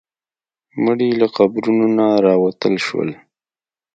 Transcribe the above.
مړي له قبرونو نه راوتل شول.